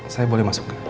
saya boleh masuk ke